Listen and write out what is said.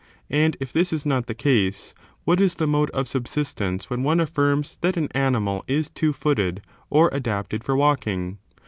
And if this is not the qase, what is the mode of subsistence when one aflGjrms that an animal is two footed, or adapted for walking